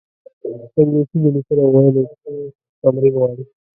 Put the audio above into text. انګلیسي د لیکلو او ویلو تمرین غواړي